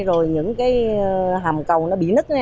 rồi những hàm cầu bị nứt